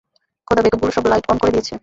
খোদা, বেকুব গুলো সব লাইট অন করে দিয়েছে!